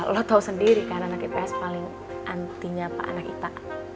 lo tau sendiri kan anak ips paling anti nyapa anak ipa